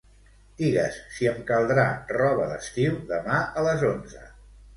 Digues si em caldrà roba d'estiu demà a les onze.